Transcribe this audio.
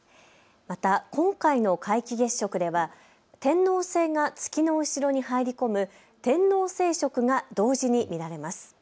また今回の皆既月食では天王星が月の後ろに入り込む天王星食が同時に見られます。